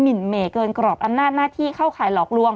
หินเหม่เกินกรอบอำนาจหน้าที่เข้าข่ายหลอกลวง